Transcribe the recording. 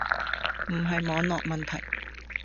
唔係網絡問題